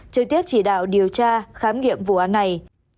trực tiếp chỉ đạo điều tra khám nghiệm vụ án này